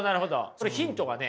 それヒントはね